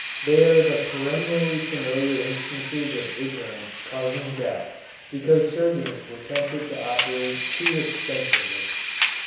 They are the perennially familiar instances of ignorance causing death because surgeons were tempted to operate too extensively.